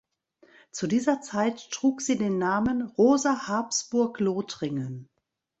Zu dieser Zeit trug sie den Namen "Rosa Habsburg-Lothringen".